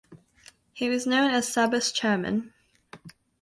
He was known as Sabas Chairman.